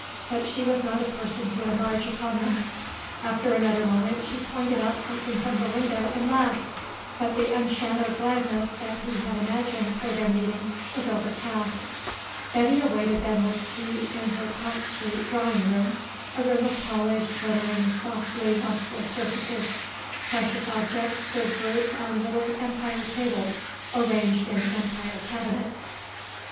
But she was not a person to enlarge upon them. After another moment she pointed out something from the window and laughed; but the unshadowed gladness that he had imagined for their meeting was overcast. Betty awaited them with tea in her Pont Street drawing room, a room of polished, glittering, softly lustrous surfaces. Precious objects stood grouped on little Empire tables or ranged in Empire cabinets.